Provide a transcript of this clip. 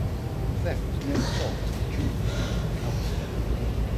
The theft was never solved and the jewels never recovered.